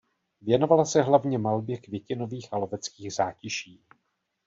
Věnovala se hlavně malbě květinových a loveckých zátiší.